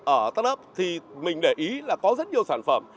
ở startup thì mình để ý là có rất nhiều sản phẩm